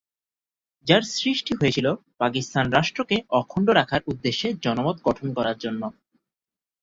যার সৃষ্টি হয়েছিল পাকিস্তান রাষ্ট্রকে অখণ্ড রাখার উদ্দেশ্যে জনমত গঠন করার জন্য।